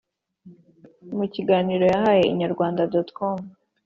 Mu kiganiro yahaye Inyarwanda.com,